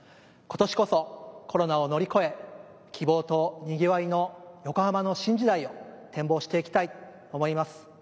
今年こそコロナを乗り越え希望と賑わいの横浜の新時代を展望していきたいと思います。